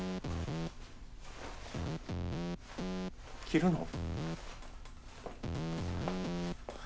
着るの？